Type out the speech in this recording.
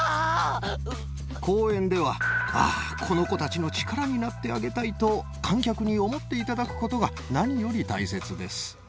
公演では、ああ、この子たちの力になってあげたいと、観客に思っていただくことが何より大切です。